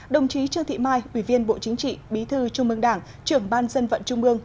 đồng chí trương thị mai ủy viên bộ chính trị bí thư trung ương đảng trưởng ban dân vận trung mương